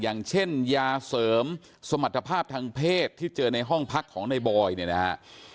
อย่างเช่นยาเสริมสมรรถภาพทางเพศที่เจอในห้องพักของในบอยเนี่ยนะฮะ